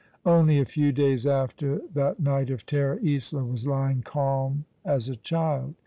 Only a few days after that night of terror Isola was lying calm as a child.